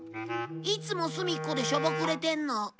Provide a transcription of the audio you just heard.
いつも隅っこでしょぼくれてんの。